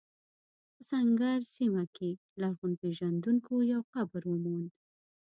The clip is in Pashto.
په سنګیر سیمه کې لرغونپېژندونکو یو قبر وموند.